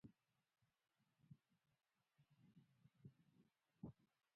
کابل د افغانستان د صنعت لپاره مواد برابروي.